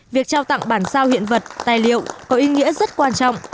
việc trao tặng bản sao hiện vật tài liệu có ý nghĩa rất quan trọng